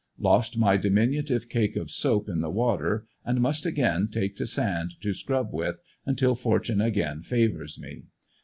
Lost my diminutive cake of soap in the water and must again take to sand to scrub with, until fortune again favors me.